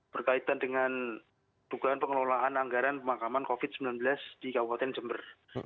berkaitan dengan dugaan pengelolaan anggaran pemakaman covid sembilan belas di kabupaten jember